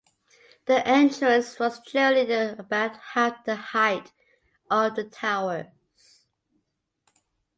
The entrance was generally about half the height of the towers.